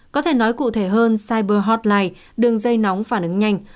có thể nói cụ thể hơn cyberhotline đường dây nóng phản ứng nhanh